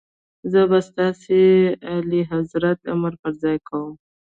زه به ستاسي اعلیحضرت امر پر ځای کوم.